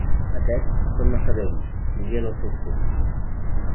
Aquests, que són massa vells, envien els seus fills.